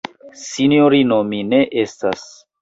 Sinjorino, mi ne estas.